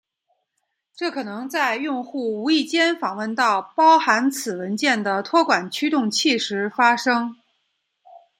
这可能在用户无意间访问到包含此文件的托管驱动器时发生。